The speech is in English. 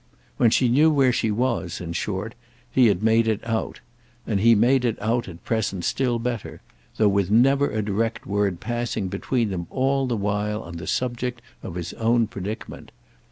When she knew where she was, in short, he had made it out; and he made it out at present still better; though with never a direct word passing between them all the while on the subject of his own predicament.